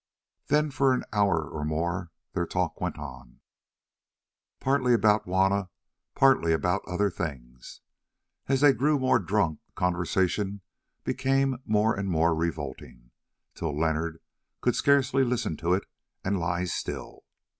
Then for an hour or more their talk went on—partly about Juanna, partly about other things. As they grew more drunk the conversation became more and more revolting, till Leonard could scarcely listen to it and lie still.